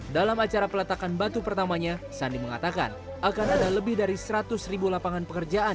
dalam acara peletakan batu pertamanya sandi mengatakan akan ada lebih dari seratus ribu lapangan pekerjaan